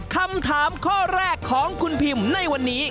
คำถามข้อแรกของคุณพิมในวันนี้